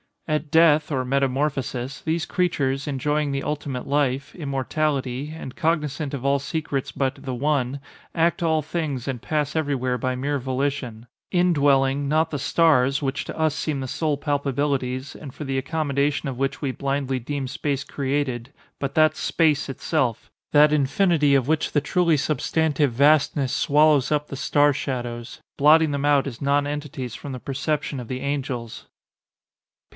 At death, or metamorphosis, these creatures, enjoying the ultimate life—immortality—and cognizant of all secrets but the one, act all things and pass everywhere by mere volition:—indwelling, not the stars, which to us seem the sole palpabilities, and for the accommodation of which we blindly deem space created—but that SPACE itself—that infinity of which the truly substantive vastness swallows up the star shadows—blotting them out as non entities from the perception of the angels.